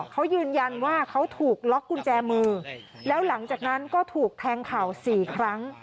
เขายืนยันว่าเขาถูกล็อกกุญแจมือแล้วหลังจากนั้นก็ถูกแทงเข่า๔ครั้ง